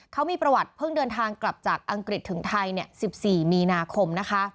เขามีประวัติเพิ่งเดินทางกลับจากอังกฤษถึงไทย๑๔มีนาคมนะคะ